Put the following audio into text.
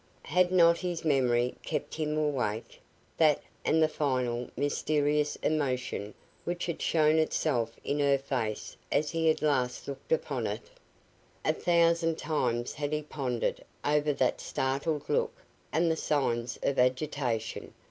Had not this memory kept him awake? That and the final, mysterious emotion which had shown itself in her face as he had last looked upon it? A thousand times had he pondered over that startled look and the signs of agitation.